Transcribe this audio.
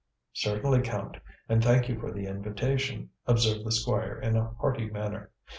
"Certainly, Count, and thank you for the invitation," observed the Squire in a hearty manner.